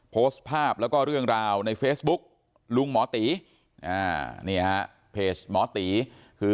โพสต์ภาพแล้วก็เรื่องราวในเฟซบุ๊ค